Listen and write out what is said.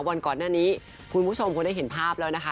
วันก่อนหน้านี้คุณผู้ชมคงได้เห็นภาพแล้วนะคะ